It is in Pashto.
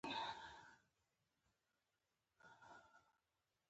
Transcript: چې دوی کولې شي چې ولس